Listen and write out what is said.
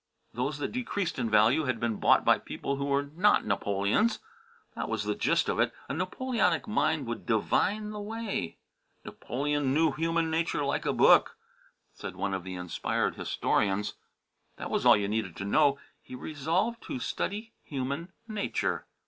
Those that decreased in value had been bought by people who were not Napoleons. That was the gist of it. A Napoleonic mind would divine the way. "Napoleon knew human nature like a book," said one of the inspired historians. That was all you needed to know. He resolved to study human nature.